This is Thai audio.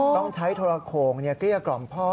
ต้องใช้โทรโขงเกลี้ยกล่อมพ่อ